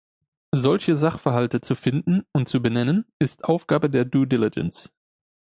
Solche Sachverhalte zu finden und zu benennen ist Aufgabe der Due Diligence.